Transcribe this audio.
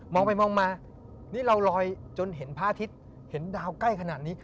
ไปมองมานี่เราลอยจนเห็นพระอาทิตย์เห็นดาวใกล้ขนาดนี้